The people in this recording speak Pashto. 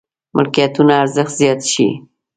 ملکيتونو ارزښت زيات شي.